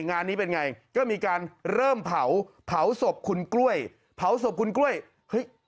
งานนี้เป็นไงก็มีการเริ่มเผาเผาศพคุณกล้วยเผาศพคุณกล้วยเฮ้ย